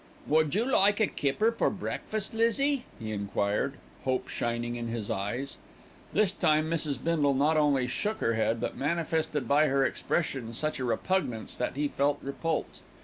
"Would you like a kipper for breakfast, Lizzie?" he enquired, hope shining in his eyes. This time Mrs. Bindle not only shook her head, but manifested by her expression such a repugnance that he felt repulsed.